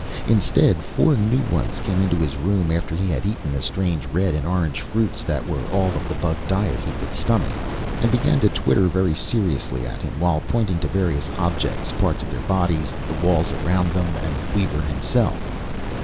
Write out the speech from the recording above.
Instead, four new ones came into his room after he had eaten the strange red and orange fruits that were all of the bug diet he could stomach, and began to twitter very seriously at him, while pointing to various objects, parts of their bodies, the walls around them, and Weaver himself.